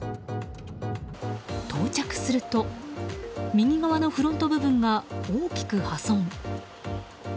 到着すると右側のフロント部分が大きく破損。